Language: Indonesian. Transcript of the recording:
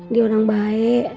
dia orang baik